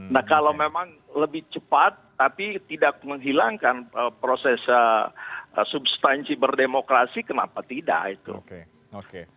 nah kalau memang lebih cepat tapi tidak menghilangkan proses substansi berdemokrasi kenapa tidak itu